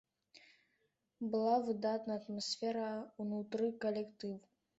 Была выдатная атмасфера ўнутры калектыву.